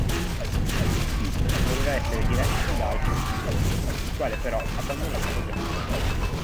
Il film doveva essere diretto da Alfred Sole, il quale però abbandonò il progetto.